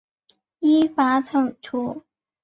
依法惩处